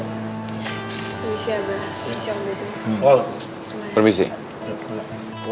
permisi abah permisi om betul